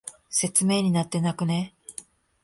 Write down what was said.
説明になってなくね？